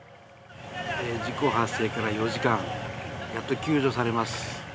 事故発生から４時間、やっと救助されます。